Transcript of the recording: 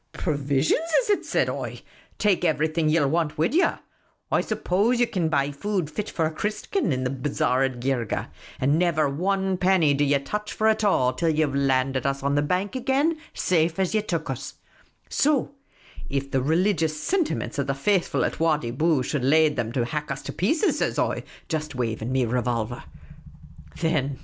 ' Provisions, is it ?' says I. ' Take everything ye '11 want wid you ; I suppose ye can buy food fit for a Crischun in the bazaar in Geergeh ; and never wan penny do ye touch for it all till ye 've landed us 192 Miss Cayley's Adventures on the bank again, as safe as ye took us. So if the religious sintiments of the faithful at Wadi Bou should lade them to hack us to pieces,' says I, just waving nie revolver, ' thin EMPHASIS.